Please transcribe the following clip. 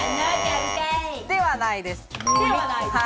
ではないです。